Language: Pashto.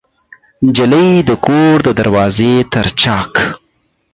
نجلۍ د کور د دروازې تر چاک